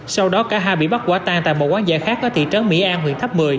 sau đó cả hai bị bắt quả tan tại một quán giải khác ở thị trấn mỹ an huyện tháp một mươi